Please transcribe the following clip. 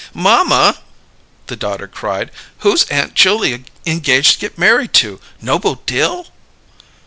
"Mamma!" the daughter cried. "Who's Aunt Julia engaged to get married to? Noble Dill?"